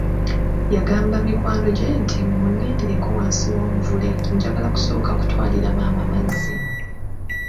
Yagamba mikwano gye nti, munnindireko wansi w'omuvule njagala kusooka kutwalira maama mazzi.